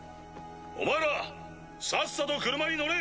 お前らさっさと車に乗れ！